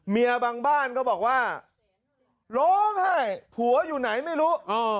บางบ้านก็บอกว่าร้องไห้ผัวอยู่ไหนไม่รู้